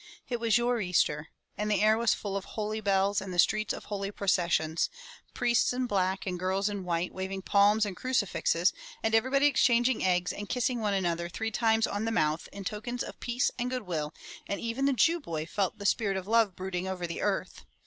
" It was your Easter, and the air was full of holy bells and the streets of holy processions — priests in black and girls in white, wav ing palms and crucifixes, and everybody exchanging Easter eggs and kissing one another three times on the mouth in token of peace and good will, and even the Jew boy felt the spirit of love brooding over the earth.